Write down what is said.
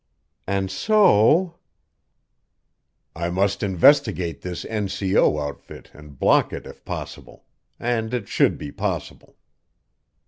"And so " "I must investigate this N.C.O. outfit and block it if possible and it should be possible."